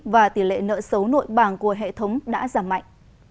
và tỷ lệ nợ xấu nội bảng của hệ thống đã giảm mạnh